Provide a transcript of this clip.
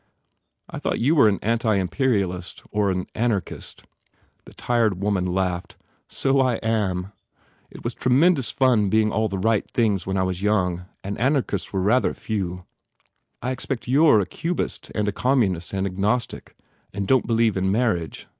"I thought you were an anti imperialist and an anarchist?" The tired woman laughed, "So I am. ... It was tremendous fun being all the right things 120 MARGOT when I was young and anarchists were rather few. I expect you re a cubist and a communist and ag nostic and don t believe in marriage.